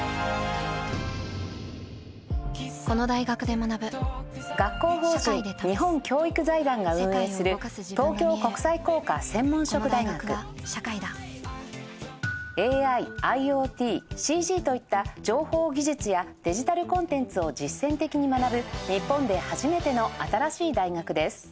学校法人日本教育財団が運営する東京国際工科専門職大学ＡＩＩｏＴＣＧ といった情報技術やデジタルコンテンツを実践的に学ぶ日本で初めての新しい大学です